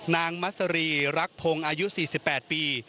นางมัสรีรักพงศ์อายุ๔๘ปี